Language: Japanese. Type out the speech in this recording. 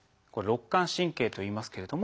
「肋間神経」といいますけれども。